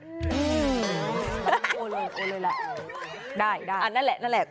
อื้อโอโอเลยละได้นั่นแหละ